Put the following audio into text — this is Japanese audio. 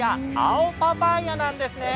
青パパイヤなんですね。